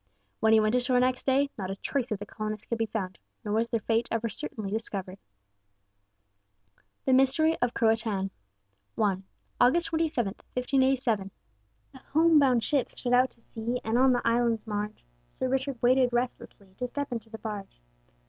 When he went ashore next day, not a trace of the colonists could be found, nor was their fate ever certainly discovered. THE MYSTERY OF CRO A TÀN I [August 27, 1587] The home bound ship stood out to sea, And on the island's marge, Sir Richard waited restlessly To step into the barge.